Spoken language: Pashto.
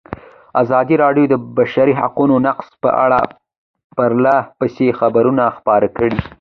ازادي راډیو د د بشري حقونو نقض په اړه پرله پسې خبرونه خپاره کړي.